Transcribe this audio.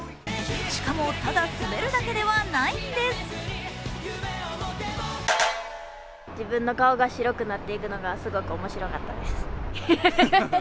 しかも、ただ滑るだけではないんです。